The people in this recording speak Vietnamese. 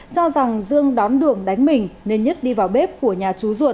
cho rằng dương đón đường đánh mình nên nhất đi vào bếp của nhà chú ruột